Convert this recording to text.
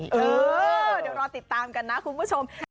เดี๋ยวรอติดตามกันนะคุณผู้ชม